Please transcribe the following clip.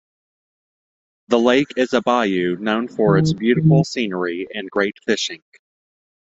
The lake is a bayou, known for its beautiful scenery and great fishing.